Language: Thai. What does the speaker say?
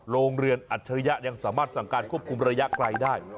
โรงเรือนอัจฉริยะยังสามารถสั่งการควบคุมระยะไกลได้